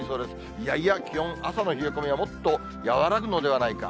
いやいや、気温、朝の冷え込みはもっと和らぐのではないか。